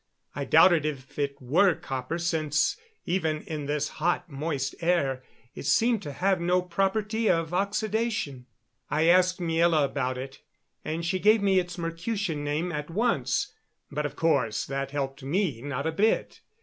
I doubted if it were copper, since even in this hot, moist air it seemed to have no property of oxidation. I asked Miela about it, and she gave me its Mercutian name at once; but of course that helped me not a bit.